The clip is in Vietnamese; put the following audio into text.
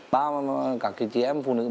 và các chị em phụ nữ